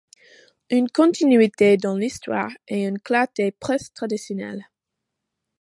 Une continuité dans l'histoire et une clarté presque traditionnelle.